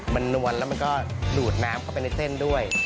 มันนวลแล้วมันก็ดูดน้ำเข้าไปในเส้นด้วย